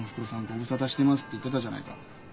「ご無沙汰してます」って言ってたじゃないか。